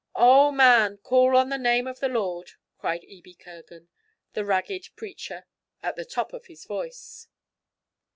'Oh, man, call on the name of the Lord,' cried Ebie Kirgan, the ragged preacher, at the top of his voice.